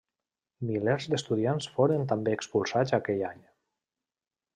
Milers d'estudiants foren també expulsats aquell any.